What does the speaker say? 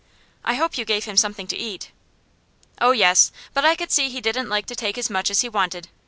'I hope you gave him something to eat?' 'Oh yes. But I could see he didn't like to take as much as he wanted.